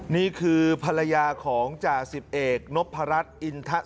นี่คือภรรยาของจ่าสิบเอกนพรรดิอินทะสุริยา